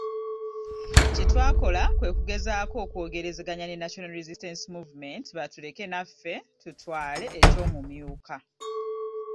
Kye twakola kwe kugezaako okwogerezeganya ne National Resistance Movement batuleke naffe tutwale eky’omumyuka.